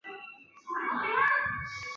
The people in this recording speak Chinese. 民主社会主义及民主政党得到八成选票。